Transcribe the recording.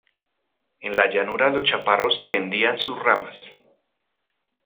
en la llanura los chaparros tendían sus ramas